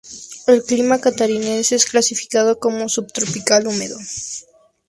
El clima catarinense es clasificado como subtropical húmedo.